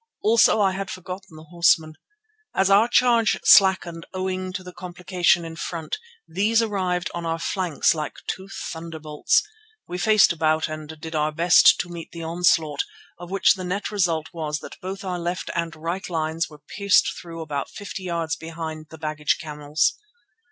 Also I had forgotten the horsemen. As our charge slackened owing to the complication in front, these arrived on our flanks like two thunderbolts. We faced about and did our best to meet the onslaught, of which the net result was that both our left and right lines were pierced through about fifty yards behind the baggage camels.